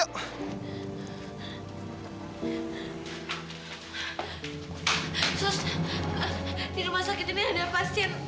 sus di rumah sakit ini ada pasir